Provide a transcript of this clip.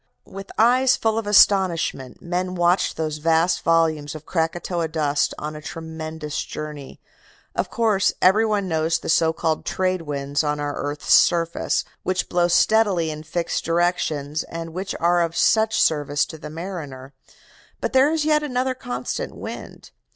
"With eyes full of astonishment men watched those vast volumes of Krakatoa dust on a tremendous journey. Of course, every one knows the so called trade winds on our earth's surface, which blow steadily in fixed directions, and which are of such service to the mariner. But there is yet another constant wind.